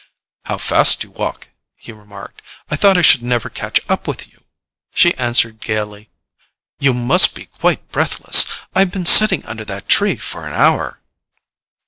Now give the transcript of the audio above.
"How fast you walk!" he remarked. "I thought I should never catch up with you." She answered gaily: "You must be quite breathless! I've been sitting under that tree for an hour."